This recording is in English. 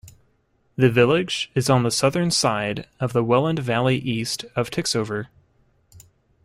The village is on the southern side of the Welland valley east of Tixover.